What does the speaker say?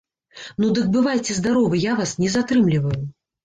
Ну, дык бывайце здаровы, я вас не затрымліваю.